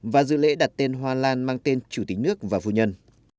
và dự lễ đặt tên hoa lan mang tên chủ tịch nước và phu nhân